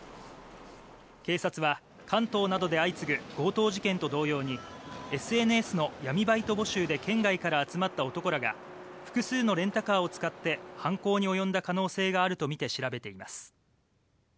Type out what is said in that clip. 警察は、関東などで相次ぐ強盗事件と同様にＳＮＳの闇バイト募集で県外から集まった男らが複数のレンタカーを使って犯行に及んだ可能性があるとみて調べています。